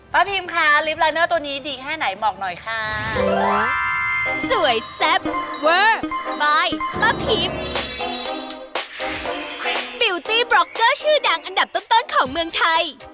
ป้าพิมคะลิฟต์ลายเนอร์ตัวนี้ดีแค่ไหนเหมาะหน่อยค่ะ